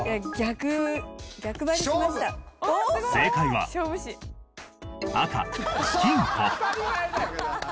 正解は赤金庫。